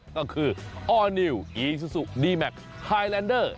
ก็คือออร์นิวอีซูซูดีแมคไฮแลนเดอร์